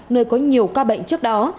nơi có nhiều ca bệnh trước đó